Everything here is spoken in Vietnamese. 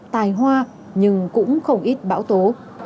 tài hoa nhưng cũng không ít bão tố